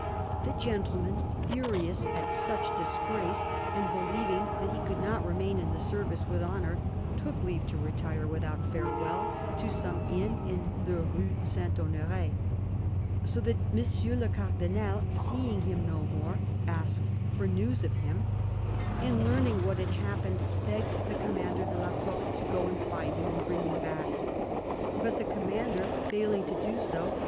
" The gentleman, furious at such disgrace, and believing that he could not remain in the service with honour, took leave to retire, without farewell, to some inn in the Rue St. Honore. So that M. le Cardinal, seeing him no more, asked for news of him ; and learning what had happened, begged the Commander de la Porte to go and find him and bring him back. But the Commander failing to do so.